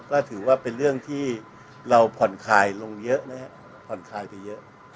ก็ถือว่าเป็นเรื่องที่เราผ่อนคลายลงเยอะนะครับผ่อนคลายไปเยอะ